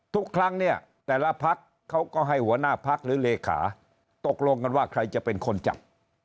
ทุกครั้งเนี่ยแต่ละพักเขาก็ให้หัวหน้าพักหรือเลขาตกลงกันว่าใครจะเป็นคนจับ